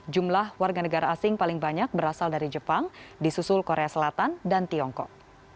jumlah warga negara asing paling banyak berasal dari jepang disusul korea selatan dan tiongkok